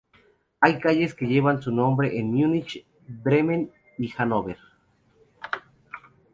Hay calles que llevan su nombre en Múnich, Bremen y Hanóver.